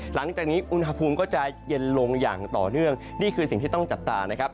หลังจากนี้อุณหภูมิก็จะเย็นลงอย่างต่อเนื่องนี่คือสิ่งที่ต้องจับตานะครับ